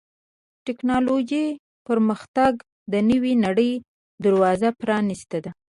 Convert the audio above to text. د ټکنالوجۍ پرمختګ د نوې نړۍ دروازه پرانستې ده.